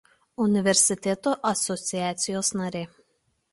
Universitetų asociacijos narė.